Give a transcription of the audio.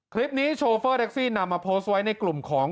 โชเฟอร์แท็กซี่นำมาโพสต์ไว้ในกลุ่มของ